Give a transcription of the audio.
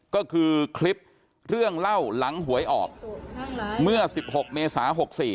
ก็คือคลิปเรื่องเล่าหลังหวยออกเมื่อ๑๖เมษา๖๔